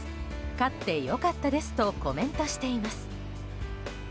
勝って良かったですとコメントしています。